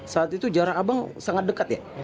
saat itu jarak abang sangat dekat ya